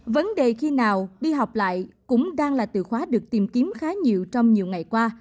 vấn đề khi nào đi học lại cũng đang là từ khóa được tìm kiếm khá nhiều trong nhiều ngày qua